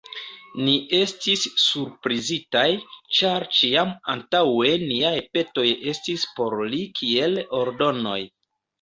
Ni estis surprizitaj, ĉar ĉiam antaŭe niaj petoj estis por li kiel ordonoj.